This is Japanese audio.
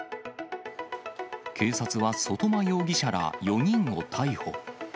警察は外間容疑者ら４人を逮捕。